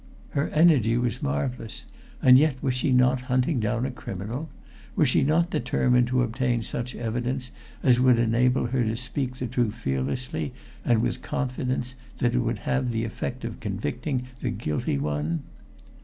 Her energy was marvelous and yet was she not hunting down a criminal? was she not determined to obtain such evidence as would enable her to speak the truth fearlessly, and with confidence that it would have the effect of convicting the guilty one?